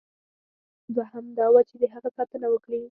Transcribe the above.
دوهم دا وه چې د هغه ساتنه وکړي.